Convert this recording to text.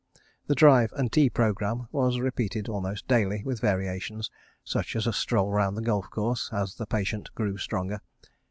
... The drive and tea programme was repeated almost daily, with variations, such as a stroll round the golf course, as the patient grew stronger.